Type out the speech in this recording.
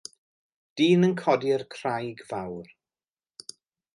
Dyn yn codi craig fawr.